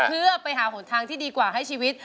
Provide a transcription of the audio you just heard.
เพื่อไปหาหนทางที่ดีกว่าให้ชีวิต